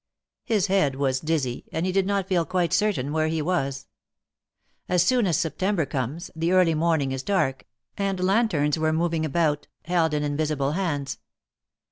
His head was dizzy, and he did not feel quite certain where he was. As soon as September comes, the early morning is dark, and lanterns were moving about, held in invisible hands.